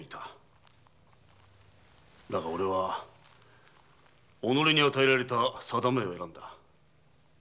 だが俺は己に与えられた定めを選んだ。